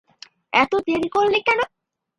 এত দেরি করলি কেন?